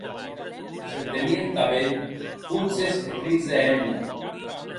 S’entenien tanben votzes e crits de hemna.